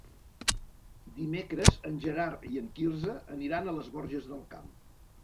Dimecres en Gerard i en Quirze aniran a les Borges del Camp.